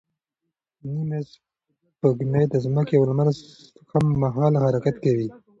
نیمه سپوږمۍ د ځمکې او لمر سره هممهاله حرکت کوي.